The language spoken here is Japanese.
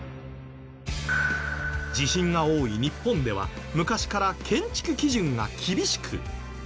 地震が多い日本では昔から建築基準が厳しく。